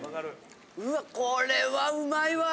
うわこれはうまいわ。